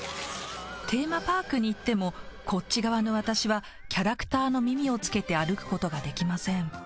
テーマパークに行ってもこっち側の私はキャラクターの耳をつけて歩くことができません。